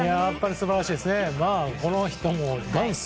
素晴らしいですね。